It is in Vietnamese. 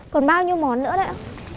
còn bao nhiêu món nữa đấy ạ